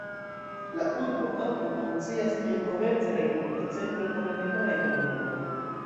La urbo ankaŭ funkcias kiel komerca kaj kultura centro por la najbaraj komunumoj.